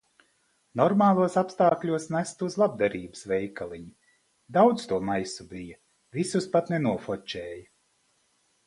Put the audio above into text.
Normālos apstākļos nestu uz labdarības veikaliņu. Daudz to maisu bija, visus pat nenofočēju.